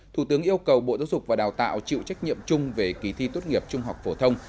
thủ tướng yêu cầu bộ giáo dục và đào tạo chịu trách nhiệm chung về kỳ thi tốt nghiệp trung học phổ thông